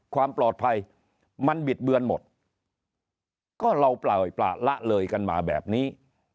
ความปลอดภัยมันบิดเบือนหมดก็เราปล่อยประละเลยกันมาแบบนี้